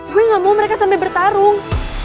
gue gak mau mereka sampai bertarung